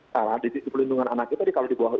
salah di perlindungan anak itu kalau dibuang